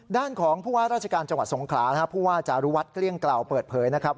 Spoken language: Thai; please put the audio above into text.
ด้านของผู้ว่าราชการจังหวัดสงขลานะครับผู้ว่าจารุวัฒน์เกลี้ยงกล่าวเปิดเผยนะครับ